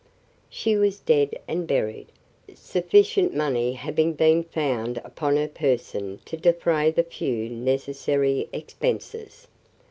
She was dead and buried, sufficient money having been found upon her person to defray the few necessary expenses.